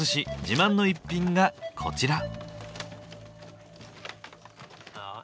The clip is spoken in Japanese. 自慢の一品がこちら。